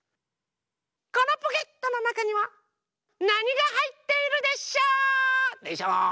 このポケットのなかにはなにがはいっているでショー？でショー？